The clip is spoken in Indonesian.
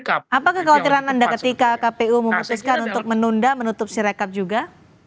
apa kekhawatiran anda ketika kpu memutuskan untuk menunda menutup sirekap juga